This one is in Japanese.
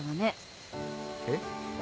えっ？